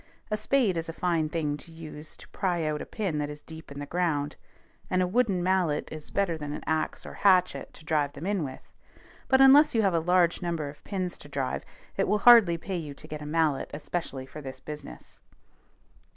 A spade is a fine thing to use to pry out a pin that is deep in the ground, and a wooden mallet is better than an axe or hatchet to drive them in with; but, unless you have a large number of pins to drive, it will hardly pay you to get a mallet especially for this business.